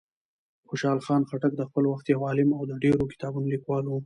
خوشحال خان خټک د خپل وخت یو عالم او د ډېرو کتابونو لیکوال و.